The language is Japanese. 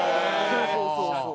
そうそうそうそう。